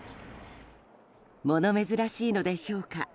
物珍しいのでしょうか。